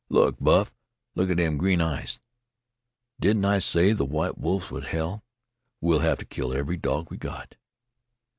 Look, Buff! look at them green eyes! Didn't I say the white wolves was hell? We'll have to kill every dog we've got."